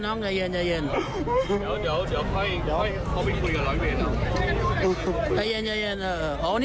น้องใกล้เย็น